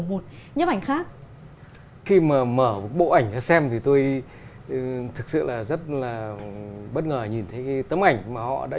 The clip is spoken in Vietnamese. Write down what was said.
một nhấp ảnh khác khi mà mở bộ ảnh xem thì tôi thực sự là rất là bất ngờ nhìn thấy tấm ảnh mà họ đã